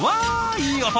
いい音！